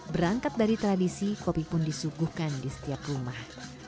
berangkat dari tradisi kopi pun disuguhkan di setiap rumah